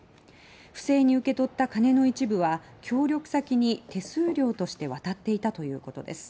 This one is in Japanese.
不正に受け取った金の一部は協力先に手数料として渡っていたということです。